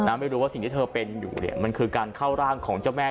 ไม่รู้ว่าสิ่งที่เธอเป็นอยู่เนี่ยมันคือการเข้าร่างของเจ้าแม่